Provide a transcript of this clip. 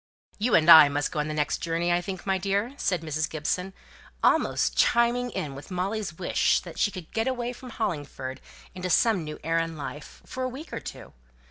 "You and I must go on the next journey, I think, my dear," said Mrs. Gibson, almost chiming in with Molly's wish that she could get away from Hollingford into some new air and life, for a week or two.